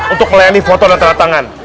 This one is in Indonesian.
untuk melayani foto dan tanda tangan